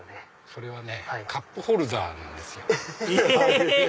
それはカップホルダーなんです。え？